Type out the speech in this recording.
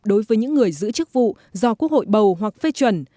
đối với những người giữ chức vụ do quốc hội bầu hoặc phê chuẩn